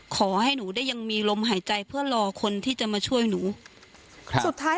ขอให้หนูได้ยังมีลมหายใจเพื่อรอคนที่จะมาช่วยหนูครับสุดท้าย